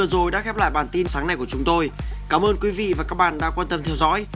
xin chào và hẹn gặp lại